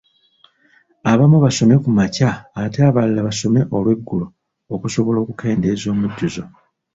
Abamu basome kumakya ate abalala basome olweggulo okusobola okukendeeza omujjuzo.